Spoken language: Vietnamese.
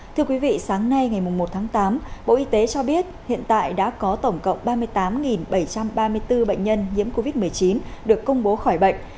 thưa quý vị sáng nay ngày một tháng tám bộ y tế cho biết hiện tại đã có tổng cộng ba mươi tám bảy trăm ba mươi bốn bệnh nhân nhiễm covid một mươi chín được công bố khỏi bệnh